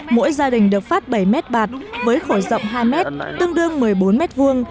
mỗi gia đình được phát bảy mét bạt với khổ rộng hai mét tương đương một mươi bốn m hai